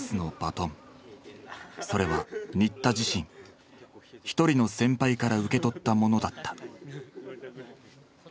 それは新田自身１人の先輩から受け取ったものだった。